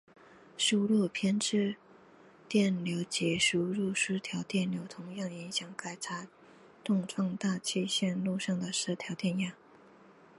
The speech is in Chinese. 输入偏置电流及输入失调电流同样影响该差动放大器线路上的失调电压。